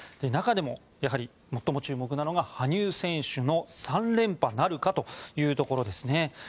中でも、最も注目なのが羽生選手の３連覇なるかというところですね。